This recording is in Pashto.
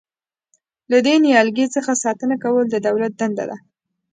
له دې نیالګي څخه ساتنه کول د دولت دنده ده.